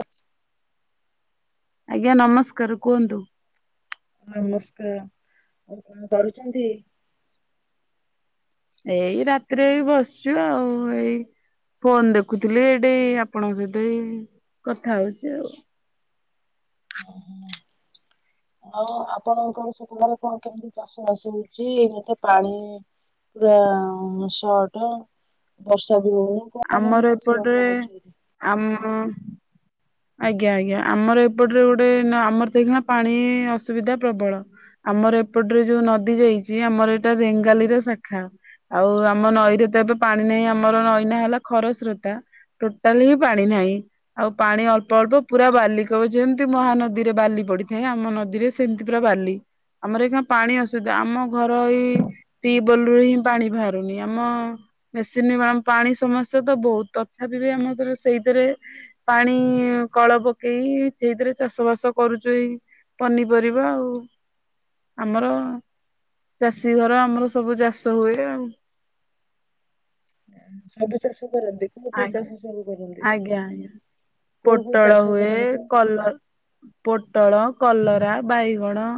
ଲୋ ଆଜ୍ଞା ନମସ୍କାର କୁହନ୍ତୁ? ନମସ୍କାର ଆଉ କଣ କରୁଛନ୍ତି? ଏଇ ରାତିରେ ଏଇ ବସିଛୁ ଆଉ ଏଇ ଫୋନ୍ ଦେଖୁଥିଲି ଏଇଠି ଆପଣଙ୍କ ସହିତ ଏଇ କଥା ହୋଉଛି ଆଉ। ଆଉ ଆପଣଙ୍କର ସେପଟ ରେ କଣ କେମିତି ଚାଷ ବାସ ହଉଛି? ଏଇନେ ତ ପାଣି ପୁରା ସଟ ବର୍ଷା ବି ହଉ ଆମର ଏପଟରେ ଆମ ଆଜ୍ଞା ଆଜ୍ଞା ଆମର ଏପଟରେ ଗୋଟେ ଆମର ତ ଏଖିନା ପାଣି ଅସୁବିଧା ପ୍ରବଳ। ଆମର ଏପଟ୍ରେ ଯୋଉ ନଦୀ ଯାଇଛି ଆମର ଏଇଟା ରେଙ୍ଗାଲିର ଶାଖା। ଆଉ ଆମ ନଈରେ ତ ଏବେ ପାଣି ନାହିଁ। ଆମର ନଈ ନା ହେଲା ଖରସ୍ରୋତା। ଟୋଟାଲି ହି ପାଣି ନାହିଁ। ଆଉ ପାଣି ଅଳ୍ପ ପର୍ବ ପୁରା ବାଲି କହିବ ଯେମିତି ମହାନଦୀରେ ବାଲି ପଡିଥାଏ ଆମ ନଦୀରେ ସେମତି ପୁରା ବାଲି। ଆମର ଏଖିନା ପାଣି ଅସୁବିଧା ଆମ ଘର ଏଇ ଟିପ୍ ବଲ ରୁ ହିଁ ପାଣି ବାହାରୁନି। ଆମ ମେସିନି ମାମ ପାଣି ସମସ୍ୟା ତ ବୋହୁତ ତଥାପି ବି ଆମର ଧର ସେଇଥିରେ ପାଣି କଳ ପକେଇ ସେଇଥିରେ ଚାଷ ବାସ କରୁଛୁ ଏଇ ପନିପରିବା ଆଉ। ଆମର ଚାଷୀ ଘର ଆମର ସବୁ ଚାଷ ହୁଏ ଆଉ। ସବୁ ଚାଷ କରନ୍ତି? କୋଉ କୋଉ ଚାଷ ଆଜ୍ଞା ସବୁ କରନ୍ତି? ଆଜ୍ଞା ଆଜ୍ଞା କୋଉ କୋଉ ଚାଷ ପୋଟଳ ହୁଏ କରନ୍ତି କଲର ପୋଟଳ କଲରା ବାଇଗଣ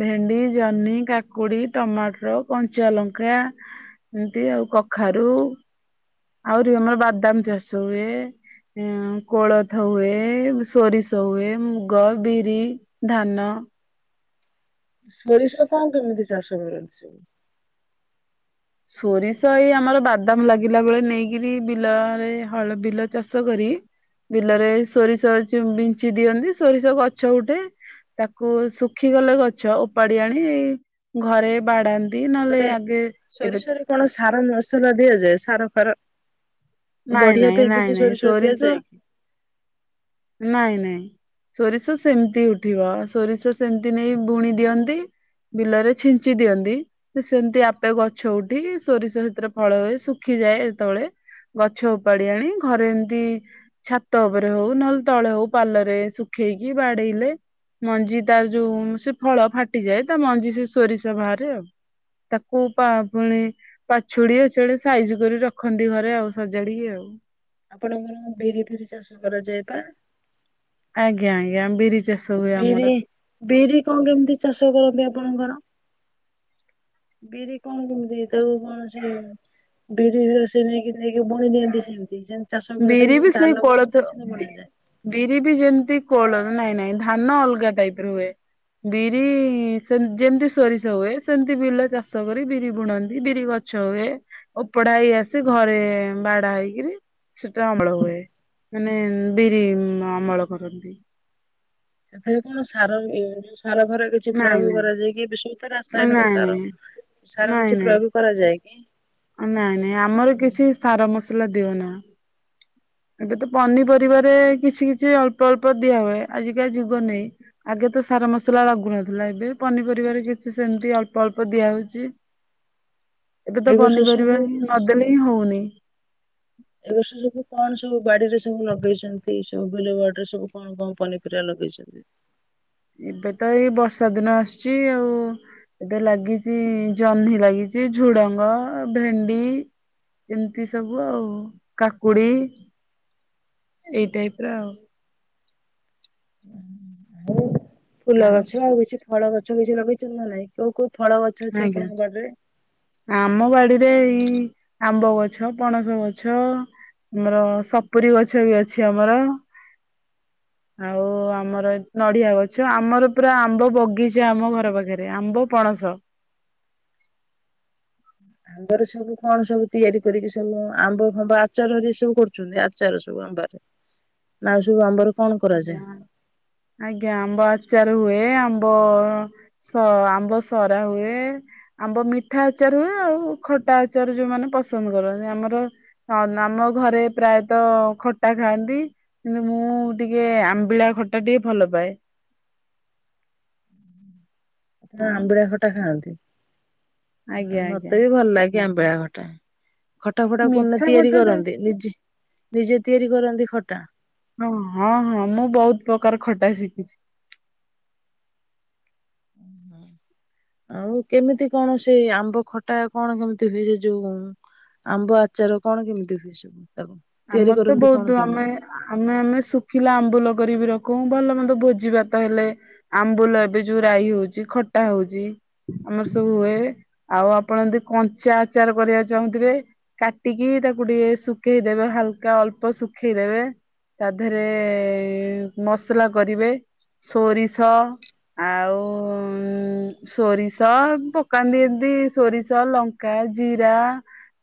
ଭେଣ୍ଡି ଜହ୍ନି କାକୁଡି ଟମାଟର କଞ୍ଚା ଲଙ୍କା ଏମତି ଆଉ କଖାରୁ ଆହୁରି ଆମର ବାଦାମ ଚାଷ ହୁଏ। ଉଁ କୋଳଥ ହୁଏ ସୋରିଷ ହୁଏ ମୁଗ ବିରି ଧାନ ସୋରିଷ କଣ କେମିତି ଚାଷ କରନ୍ତି ସବୁ? ସୋରିଷ ଏଇ ଆମର ବାଦାମ ଲାଗିଲା ବେଳେ ନେଇକିରି ବିଲରେ ହଳ ବିଲ ଚାଷ କରି ବିଲରେ ସୋରିଷ ଚୁଁ ବିଞ୍ଚି ଦିଅନ୍ତି। ସୋରିଷ ଗଛ ଉଠେ ତାକୁ ଶୁଖିଗଲେ ଗଛ ଉପାଡି ଆଣି ଘରେ ବାଡାନ୍ତ ନ୍ତି ନହେଲେ ଆଗେ ଏବେ ସରିଷରୀରେ କଣ ସାର ମସଲା ଦିଆଯାଏ? ସାର ଫାର ନାଇଁ ବଢିଆ ନାଇଁ ନାଇଁ ଦିଦି ନାଇଁ ସୋରିଷ ରେ ଦିଆ ଯାଏ କି? ନାଇଁ ନାଇଁ ସୋରିଷ ସେମିତି ଉଠିବ ସୋରିଷ ସେମିତି ନେଇ ବୁଣି ଦିଅନ୍ତି। ବିଲରେ ଛିଞ୍ଚି ଦିଅନ୍ତି। ସେ ସେମିତି ଆପେ ଗଛ ଉଠିକି ସୋରିଷ ସେଥିରେ ଫଳ ହୁଏ। ଶୁଖିଯାଏ ଯେତେବେଳେ ଗଛ ଉପାଡି ଆଣି ଘରେ ଏମିତି ଛାତ ଉପରେ ହଉ ନହେଲେ ତଳେ ହଉ ପାଲରେ ଶୁଖେଇକି ବାଡେଇଲେ। ମଞ୍ଜି ତାର ଯୋଉ ସେ ଫଳ ଫାଟିଯାଏ ତା ମଞ୍ଜି ସେ ସୋରିଷ ବାହାରେ ଆଉ। ତାକୁ କଣ ଫୁଣି ପାଛୁଡି ସେଇଡା ସାଇଜି କରି ରଖନ୍ତି ଘରେ ଆଉ ସଜାଡିକି ଆଉ। ଆପଣଙ୍କର ବିରି ଫିରି ଚାଷ କରାଯାଏ ପା? ଆଜ୍ଞା ଆଜ୍ଞା ବିରି ଚାଷ ହୁଏ ଆମର। ବିରି ବିରି କଣ କେମିତି ଚାଷ କରନ୍ତି ଆପଣଙ୍କର? ବିରି କଣ [unintelligible] ବିରି ରୋଷେଇ ନେଇକି ନେଇକି ବୁଣି ଦିଅନ୍ତି ସେମିତି ସେମିତି ଚାଷ [unintelligible] କିି ବିରି ବି ସେମି ସେଇ ଧାନ କୋଳଥ ବୁଣନ୍ତି ସେମିତି ବି ବୁଣାଯାଏ। ବିରି ବି ଯେମିତି କୋଳ ନାଇଁ ନାଇଁ ଧାନ ଅଲଗା ଟାଇପ ର ହୁଏ ବିରି [unintelligible] ଯେମିତି ସୋରିଷ ହୁଏ ସେମିତି ବିଲ ଚାଷ କରି ବିରି ବୁଣନ୍ତି ବିରି ଗଛ ହୁଏ। ଓପଡା ହେଇ ଆସେ ଘରେ ବାଡା ହେଇକିରି ସେଟା ଅମଳ ହୁଏ ମାନେ ବିରି ଅମଳ କରନ୍ତି। ସେଥିରେ ସାର ଯୋଉ ସାର ଫରେ କିଛି ନାଇଁ ପ୍ରୟୋଗ ନାଇଁ କରାଯାଏକି [unintelligible] ରାସାୟନିକ ନାଇଁ ସାର ନାଇଁ। ସାର ନାଇଁ କିଛି ନାଇଁ ପ୍ରୟୋଗ କରାଯାଏ କି? ନାଇଁ ନାଇଁ ଆମର କିଛି ସାର ମସଲା ଦିଅ ନା। ଏବେ ତ ପନିପରିବାରେ କିଛି କିଛି ଅଳ୍ପ ଅଳ୍ପ ଦିଆ ହୁଏ ଆଜିିକାଲି ଯୁଗ ନେଇ ଆଗେ ତ ସାର ମସଲା ଲାଗୁନଥିଲା ଏବେ ପନିପରିବାରେ କିଛି ସେମିତି ଅଳ୍ପ ଅଳ୍ପ ଦିଆହଉଛି। ତ ଏଇ ବର୍ଷ ପନିପରିବା ସବୁ ହିଁ ନଦେଲେ ହିଁ ହଉନି। ଏ ବର୍ଷ ସବୁ କଣ ସବୁ ବାଡିରେ ସବୁ ଲଗେଇଛନ୍ତି ସବୁ ବିଲବାଡିରେ ସବୁ କଣ କଣ ପନିପରିବା ଲଗେଇଛନ୍ତି? [unintelligible] ଏବେ ତ ଏଇ ବର୍ଷା ଦିନ ଆସୁଛି ଆଉ। ଏବେ ଲାଗିଚି ଜହ୍ନି ଲାଗିଛି ଝୁଡଙ୍ଗ ଭେଣ୍ଡି ଏମିତି ସବୁ ଆଉ କାକୁଡି ଏଇ ଟାଇପ ର ଆଉ। ହୁଁ। ଫୁଲ ଗଛ ଆଉ କିଛି ଫଳ ଗଛ କିଛି ଲଗେଇଛନ୍ତି ନା ନାଇଁ କୋଉ କୋଉ ଫଳ ଗଛ ଅଛି ଆଜ୍ଞା ଆପଣଙ୍କ ବାଡ଼ିରେ? ଆମ ବାଡିରେ ଏଇ ଆମ୍ବ ଗଛ ପଣସ ଗଛ। ଆମର ସପୁୁରୀ ଗଛ ବି ଅଛି ଆମର। [inaudible] ଆଉ ଆମର ନଡିଆ ଗଛ ଆମର ପୁରା ଆମ୍ବ ବଗିଚା ଆମ ଘର ପାଖରେ ଆମ୍ବ ପଣସ। ଆମ୍ବରେ ସବୁ କଣ ସବୁ ତିଆରି କରିକି ସବୁ ଆମ୍ବ ଫମ୍ବ ଆଚାର ସବୁ କରୁଛନ୍ତି। ଚାର ସବୁ ଆମ୍ବର ନାଉ ସବୁ ଆମ୍ବର। ଆଜ୍ଞା ଆଜ୍ଞା ଆମ୍ବ ଆଚାର ହୁଏ ଆମ୍ବ ସ ଆମ୍ବ ସରା ହୁଏ। ଆମ୍ବ ମିଠା ଆଚାର ହୁଏ ଆଉ ଖଟା ଆଚାର ଯୋଉମାନେ ପସନ୍ଦ କରନ୍ତି ଆମର। ହଁ ଆମ ଘରେ ପ୍ରାୟତଃ ଖଟା ଖାଆନ୍ତି କିନ୍ତୁ ମୁଁ ଟିକେ ଆମ୍ବିଳା ଖଟା ଟିକେ ଭଲ ପାଏ। ଆପଣ ଆଉ ଅମ୍ବିଳା ଖଟା ଖାଆନ୍ତି। ଆଜ୍ଞା ଆଜ୍ଞା ମତେ ବି ଭଲ ଲାଗେ ଆମ୍ବିଳା ଖଟା ଖଟା ଫଟା କୋନ ମିଠା ତିଆରି ଖଟା ଟା କରନ୍ତି ନିଜେ? ନିଜେ ତିଆରି କରନ୍ତି ଖଟା? ହଁ ହଁ ମୁଁ ବହୁତ ପ୍ରକାର ଖଟା ଶିଖିଛି। [inaudible] ଆଉ କେମିତି କଣ ସେ ଆମ୍ବ ଖଟା କଣ କେମିତି ହୁଏ ସେ ଯୋଉ ଆମ୍ବ ଆଚାର କଣ କେମିତି ହଉଚି ତାକୁ? ତିଆରି ଆମର ତ କରନ୍ତି କଣ ବହୁତ ଆମେ କେମିତି? ଆମେ ଆମେ ଶୁଖିଲା ଆମ୍ବୁଲ କରକି ବିି ରଖୁ ଭଲ ମନ୍ଦ ଭୋଜି ଭାତ ହେଲେ। ଆମ୍ବୁଲ ଏବେ ଯୋଉ ରାଇ ହଉଛି ଖଟା ହଉଛି ଆମର ସବୁ ହୁଏ। ଆଉ ଆପଣ ଯଦି କଞ୍ଚା ଆଚାର କରିବାକୁ ଚାହୁଁଥିବେ କାଟିକି ତାକୁ ଟିକେ ଶୁଖେଇ ଦେବେ ହାଲକା ଅଳ୍ପ ଶୁଖେଇ ଦେବେ। ତା ଦେହରେ ମସଲା କରିବେ ସୋରିଷ ଆଉ [inaudible] ସୋରିଷ ପକାନ୍ତି ଏମିତି ସୋରିଷ ଲଙ୍କା ଜିରା।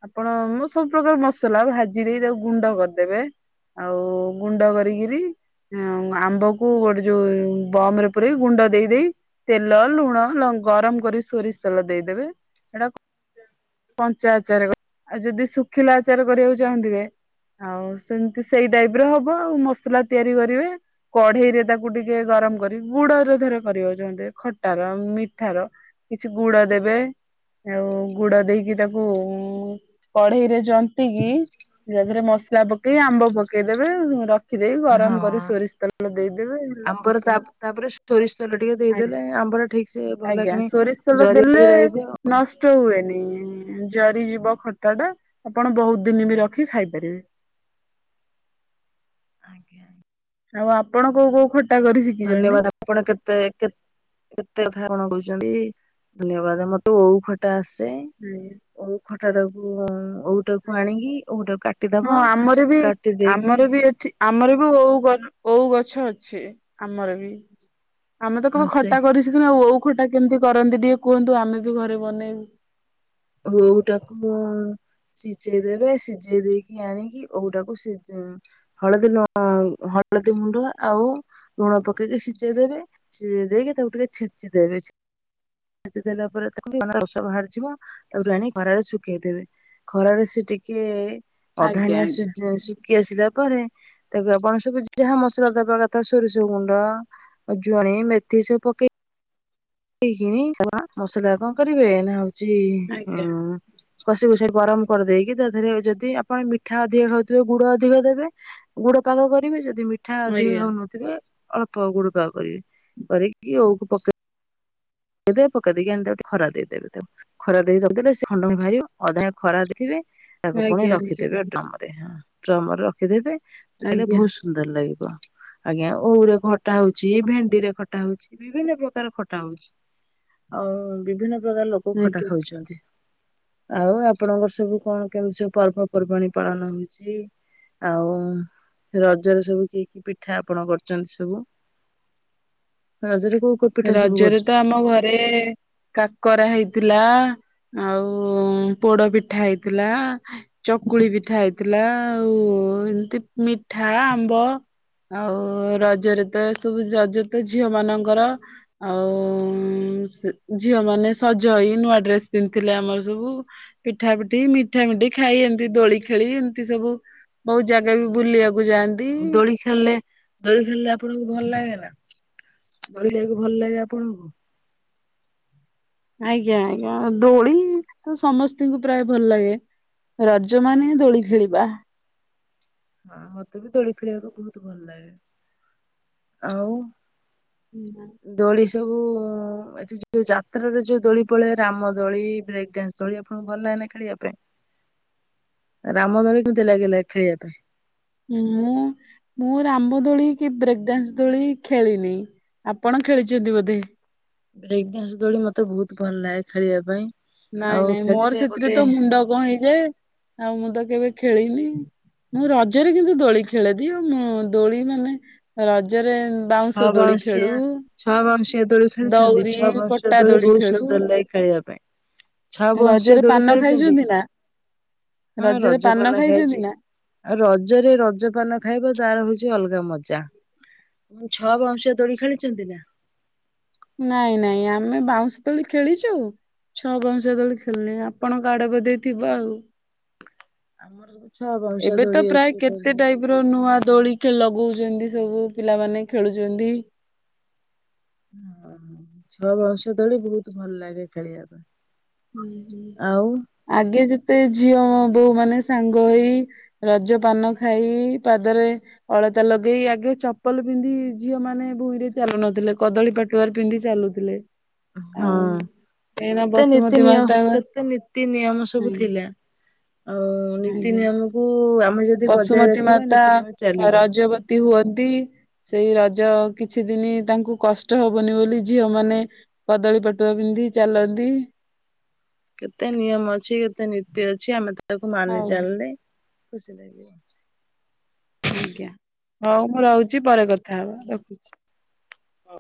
ଆପଣଁ ମ ସବୁ ପ୍ରକାର ମସଲା ଭାଜି ଦେଇ ତାକୁ ଗୁଣ୍ଡ କରିଦେବେ। ଆଉ ଗୁଣ୍ଡ କରିକିରି। ଆମ୍ବ କୁ ଗୋଟେ ଯୋଉ ବମ ରେ ପୁରେଇ ଗୁଣ୍ଡ ଦେଇ ଦେଇ ତେଲ ଲୁଣ ଗରମ ଲ କରି ସୋରିଷ ତେଲ ଦେଇଦେବେ ସେଟା କଞ୍ଚା ଆଚାର କର ଆଉ ଯଦି ଶୁଖିଲା ଆଚାର କରିବାକୁ ଚାହୁଁଥିବେ ଆଉ ସେମିତି ସେଇ ଟାଇପ ର ହବ ଆଉ ମସଲା ତିଆରି କରିବେ। କଢେଇ ରେ ତାକୁ ଟିକେ ଗରମ କରି ଗୁଡରେ ଧର କରିବାକୁ ଚାହୁଁଥିବେ ଖଟାର ମିଠାର। କିଛି ଗୁଡ ଦେବେ। ଆଉ ଗୁଡ ଦେଇକି ତାକୁ କଢେଇରେ ଜନ୍ତି କିି ତା ଦେହରେ ମସଲା ପକେଇ ଆମ୍ବ ପକେଇଦେବେ ର ହଁ ହେଲା। ଆମ୍ବର ତା ତାପରେ ସୋରିଷ ତେଲ ଟିକେ ଦେଇଦେଲେ ଆମ୍ବର ଠିକ ସେ ଭଲ ଆଜ୍ଞା କି ନାଇ ଜରିକି ରହିବ ଆଉ। କଷ୍ଟ ହୁଏନି ଜରିଯିବ ଖଟା ଟା ଆପଣ ବହୁତ ଦିନ ବି ରଖି ଖାଇପାରିବେ। ଆଜ୍ଞା। ଆଉ ଆପଣ କୋଉ ଆଜ୍ଞା। କୋଉ ଖଟା କରି ଶିଖିଛନ୍ତି। ଧନ୍ୟବାଦ ଆପଣ କେତେ କେତେ କେତେ କତେ ଉଧାରଣ ଦଉଛନ୍ତି ଧନ୍ୟବାଦ ମତେ ଓଉ ଖଟା ଆସେ। ହୁଁ। ଓଉ ଖଟାକୁ ଅଉ ଓଉ ଟାକୁ ଆଣିକି ଓଉଟାକୁ ହଁ କାଟିଦବ କାଟି ଦେଇକି ଆମରବି ଓଉ ଗ ଓଉ ଗଛ ଅଛି ଆମର ବି। ଆମେ ତ କଣ ସେ ଖଟା କରିସିକିନୁ ଆଉ ଆଉ ଖଟା କେମିତି କରନ୍ତି ଟିକେ କୁହନ୍ତୁ ଆମେ ବି ଘରେ ବନେଇବୁ। ଓଉ ଟାକୁ ସିଝେଇ ଦେବେ ସିଝେଇ ଦେଇ କି ଆଣିକି ଓଉଟାକୁ ସିଜ୍ ଉଁ ହଳଦୀ ଲୁଣ ହଳଦୀ ମୁଣ୍ଡ ଆଉ। ଲୁଣ ପକେଇକି ସିଝେଇ ଦେବେ ସିଝେଇ ଦେଇକି ତାକୁ ଟିକେ ଛେଚି ଦେବେ। ସିଝେଦେଲା ପରେ ତାକୁ ରସ ବାହାରିଯିବ। ତାପରେ ଆଣିିକ ଖରାରେ ଶୁଖେଇଦେବେ ଖରାରେ ସେ ଟିକେ ଆଜ୍ଞା ଅଧାଣିଆ ଆଜ୍ଞା ସୁଜ୍ ସୁଖ୍ ସୁଖୀ ଆସିଲା ପରେ ତାକୁ ଆପଣ ସବୁ ଯାହା ମସଲା ଦବା କଥା ସୋରିଷ ଗୁଣ୍ଡ। ଜୁଆଣୀ ମେଥି ସବୁ ପକେଇକି ପକେଇକି ମସଲା କଣ କରିବେ ନା ହଉଛି ଆଜ୍ଞା ଉଁ କଷି କୁଷକି ଗରମ କରିଦେଇକି ତାଦେହରେ ଯଦି ଆପଣ ମିଠା ଅଧିକ ଖାଉଥିବେ ଗୁଡ ଅଧିକ ଦେବେ। ଗୁଡ ପାଗ କରିବେ ଯଦି ମିଠା ମିିଠା ଅଧିକ ଆଜ୍ଞା ଖାଉନଥିବେ ଅଳ୍ପ ଗୁଡ ପାଗ କରିବେ କରିକି ଆଉକୁ ପକେଇ ପକେଇ ଦେବେ ପକେଦେଇକି ଆଣିକି ଟିକେ ତାକୁ ଖରା ଦେଇ ଦେବେ ତାକୁ। ଖରା ଦେଇ ରଖିଦେଲେ ସେ ଖଣ୍ଡ ବାହାରିବ ଅଧା ଖରା ଦେଇଥିବେ। ତାକୁ ପୁଣି ଆଜ୍ଞା ଆଜ୍ଞା ରଖିଦେବେ ଡ୍ରମ ରେ ହଁ ଡ୍ରମ ରେ ରଖିଦେବେ [unintelligible] ଆଜ୍ଞା ଭୁସ ସୁନ୍ଦର ଲାଗିବ ଆଜ୍ଞା ଓଉରେ ଖଟା ହଉଛି ଭେଣ୍ଡିରେ ଖଟା ହଉଛି ବିଭିନ୍ନ ପ୍ରକାର କାର ଖଟା ହଉଛି ଆଉ ବିଭିନ୍ନ ପ୍ରକାର ଲୋକ ଖଟା ଆଜ୍ଞା। ଖାଉଛନ୍ତି। ଆଉ ଆପଣଙ୍କର ସବୁ କଣ କେମିତି ସବୁ ପର୍ବପର୍ବାଣୀ ପାଳନ ହଉଛି। ଆଉ ରଜରେ ସବୁ କି କି ପିଠା ଆପଣ କରିଛନ୍ତି ସବୁ। ରଜରେ କୋଉ କୋଉ ପିଠା ସବୁ ରଜରେ କରିଛନ୍ତି? ତ ଆମ ଘରେ କାକରା ହେଇଥିଲା ଆଉ ପୋଡ ପିଠା ହେଇଥିଲା। ଚକୁଳି ପିଠା ହେଇଥିଲା ଆଉ ଏମିତି ମିଠା ଆମ୍ବ। ଆଉ ରଜରେ ତ ଏ ସବୁ ରଜ ତ ଝିଅ ମାନଙ୍କର ଆଉ ଝିଅ ମାନେ ସଜ ହେଇ ନୂଆ ଡ୍ରେସ୍ ପିନ୍ଧିଥିଲେ ଆମର ସବୁ। ପିଠା ପିଠି ମିଠା ମିଠି ଖାଇ ଏମିତି ଦୋଳି ଖେଳି ଏମିତି ସବୁ ବହୁତ ଜାଗା ବି ବୁଲିବାକୁ ଯାଆନ୍ତି। ଦୋଳି ଖେଳିଲେ ଦୋଳି ଖେଳିଲେ ଆପଣଙ୍କୁ ଭଲ ଲାଗେ ନା ଦୋଳି ଖେଳିଲେ ଭଲ ଲାଗେ ଆପଣଙ୍କୁ। ଆଜ୍ଞା ଆଜ୍ଞା ଦୋଳି ତ ସମସ୍ତଙ୍କୁ ପ୍ରାୟ ଭଲ ଲାଗେ। ରଜମାନେ ଦୋଳି ଖେଳିବା। ହଁ ମତେ ବି ଦୋଳି ଖେଳିବାକୁ ବହୁତ ଭଲ ଲାଗେ ଆଉ। ହୁଁ। ଦୋଳି ସବୁ ଏଠି ଯୋଉ ଯାତ୍ରାରେ ଯୋଉ ଦୋଳି ପଦେ ରାମ ଦୋଳି ବ୍ରେକ୍ ଡାନ୍ସ ଦୋଳି ଆପଣଙ୍କୁ ଭଲ ଲାଗେନା ଖେଳିବା ପାଇଁ ରାମ ଦୋଳି କେମିତି ଲାଗିଲା ଖେଳିବା ପାଇଁ ମୁଁ ମୁଁ ରାମ ଦୋଳି କି ବ୍ରେକ୍ ଡାନ୍ସ ଦୋଳି ଖେଳିନି ଆପଣ ଖେଳିଛନ୍ତି ବୋଧେ। ବ୍ରେକ୍ ଡାନ୍ସ ଦୋଳି ମତେ ବହୁତ ଭଲ ଲାଗେ ଖେଳିବା ପାଇଁ। ନାଇଁ ଆଉ ନାଇଁ ମୋର ଖେଳିଲେ ସେଥିରେ ଗୋଟେ ତ ମୁଣ୍ଡ କଣ ହେଇଯାଏ ଆଉ ମୁଁ ତ କେବେ ଖେଳିନି। ମୁଁ ରଜରେ କିନ୍ତୁ ଦୋଳି ଖେଳେଦୋଳି ଆଉ ମୁଁ ଦୋଳି ମାନେ ରଜରେ। ବାଉଁଶ ଛଅ ଦୋଳି ଖେଳୁ ବାଉଁଶିଆ ଛଅ ବାଉଁଶିଆ ଦୋଳି ଖେଳୁଛନ୍ତି ଦଉରି ଛଅ ବଉଁଶିଆ ପଟା ଦୋଳି ବହୁତ ଖେଳୁ। ସୁନ୍ଦର ଲାଗେ। ଖେଳିବା ପାଇଁ। ଛଆ ବାଉଁଶିଆ ରଜରେ ଦୋଳି ପାନ ଖେଳିଛନ୍ତି ଖାଇଛନ୍ତି ନା ହଁ ରଜରେ ପାନ ରଜପାନ ଖାଇଛନ୍ତି ଖାଇଛି। ନା? ଆଉ ରଜରେ ରଜ ପାନ ଖାଇବ ତାର ହଉଛି ଅଲଗା ମଜା। ଛଅ ବାଉଁଶିଆ ଦୋଳି ଖେଳିଛନ୍ତି ନା। ନାଇଁ ନାଇଁ ଆମେ ବାଉଁଶ ଦୋଳି ଖେଳିଛୁ। ଛଅ ବାଉଁଶିଆ ଖେଳିଲେ ଆପଣଙ୍କ ଆଡେ ବଧେ ଥିବ ଆଉ। ଆମର ଛଅ ବାଉଁଶିଆ ଏବେ ତ ଦୋଳି ପ୍ରାୟ ଅଛି। କେତେ ନୂଆ ଦୋଳି ଲଗଉଛନ୍ତି ସବୁ ପିଲାମାନେ ଖେଳୁଛନ୍ତି। ଓ ଛଅ ବାଉଁଶିଆ ଦୋଳି ବହୁତ ଭଲ ଲାଗେ ଖେଳିବା ପାଇଁ। ଆଉ ଆଗେ ଯେତେ ଝିଅ ବୋଉ ମାନେ ସାଙ୍ଗ ହେଇ ରଜ ପାନ ଖାଇ ପାଦରେ ଅଳତା ଲଗେଇ ଆଗେ ଚପଲ ପିନ୍ଧି ଝିଅ ମାନେ ଭୂଇଁରେ ଚାଲୁନଥିଲେ କଦଳୀ ପାଟ ପଟୁଆରେ ପିନ୍ଧି ଚାଲୁଥିଲେ। ଆଉ ହଁ କାହିଁକିନା କେତେ ନି [unintelligible] ନ ବସୁମତୀ ନିୟମ ମାତା ଆଜ୍ଞା। କେତେ ନୀତି ନିୟମ ସବୁ ଥିଲା ଆଉ ନୀତି ଆଜ୍ଞା। ନିୟମ ଆମର ଯ ଯଦି ବଜାୟ ବସୁମତୀ ରଖିବା ମାତା ନୀତି ରଜବତୀ ହୁଅନ୍ତି। ସେଇ ରଜ କିଛି ଦିନ ତାଙ୍କୁ କଷ୍ଟ ହବନି ବୋଲି ଝିଅ ମାନେ କଦଳୀ ପଟୁଆ ପିନ୍ଧି ଚାଲନ୍ତି। କେତେ ନିୟମ ଅଛି, କେତେ ନୀତି ଅଛି, ଆମେ ତାକୁ ମାନି ଆଉ ଚାଲିଲେ ଖୁସି ଲାଗିବ। ଆଜ୍ଞା, ହଉ ମୁଁ ରହୁଚି, ପରେ କଥା ହବା ରଖୁଚି। ଓ